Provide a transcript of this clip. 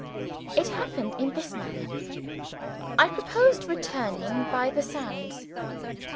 It happened in this manner. I proposed returning by the sands.